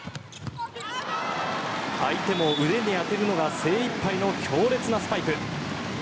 相手も腕に当てるのが精いっぱいの強烈なスパイク。